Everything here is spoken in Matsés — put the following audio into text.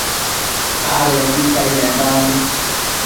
adenda caindambi